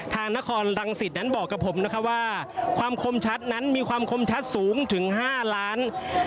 นครรังสิตนั้นบอกกับผมนะคะว่าความคมชัดนั้นมีความคมชัดสูงถึง๕ล้าน